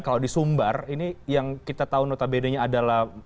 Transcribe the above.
kalau di sumbar ini yang kita tahu notabenenya adalah